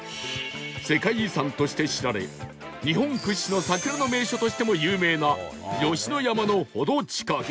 世界遺産として知られ日本屈指の桜の名所としても有名な吉野山の程近く